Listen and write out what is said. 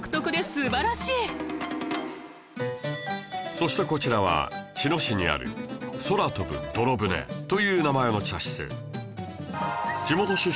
そしてこちらは茅野市にある「空飛ぶ泥舟」という名前の茶室